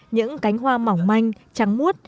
những cánh hoa mỏng manh trắng muốt